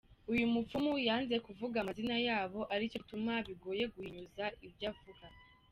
Uyu mupfumu yanze kuvuga amazina yabo, aricyo gituma bigoye guhinyuza ibyo avuga.